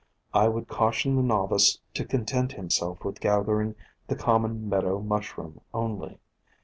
I would cau tion the novice to content himself with gathering the common Meadow Mushroom only.